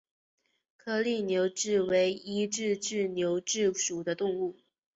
颗粒牛蛭为医蛭科牛蛭属的动物。